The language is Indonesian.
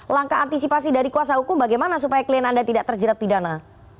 langkah antisipasi dari kuasa hukum bagaimana supaya klien anda tidak terjerat pidana